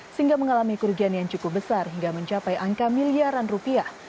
sehingga mengalami kerugian yang cukup besar hingga mencapai angka miliaran rupiah